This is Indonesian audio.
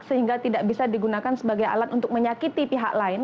sehingga tidak bisa digunakan sebagai alat untuk menyakiti pihak lain